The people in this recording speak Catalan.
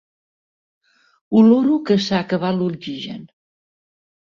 Oloro que s'ha acabat l'oxigen.